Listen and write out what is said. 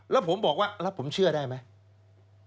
แล้วผมบอกว่าแล้วผมเชื่อได้ไหม